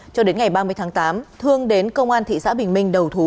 cho đến ngày ba mươi tháng tám thương đến công an thị xã bình minh đầu thú